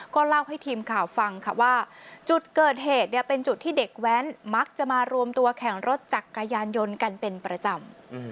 ก็เล่าให้ทีมข่าวฟังค่ะว่าจุดเกิดเหตุเนี่ยเป็นจุดที่เด็กแว้นมักจะมารวมตัวแข่งรถจักรยานยนต์กันเป็นประจำ